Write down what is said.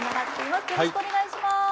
よろしくお願いします。